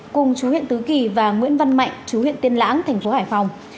cùng chú huyện tứ kỳ và nguyễn văn mạnh chú huyện tiên lãng tp hải phòng